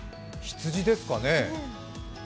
羊ですかね？